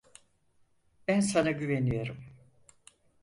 Ben sana güveniyorum.